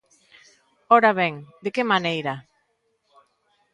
Ora ben, de que maneira?